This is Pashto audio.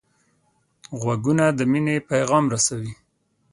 غوږونه د مینې پیغام رسوي